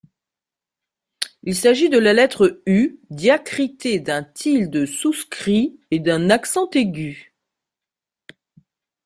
Il s’agit de la lettre U diacritée d’un tilde souscrit et d’un accent aigu.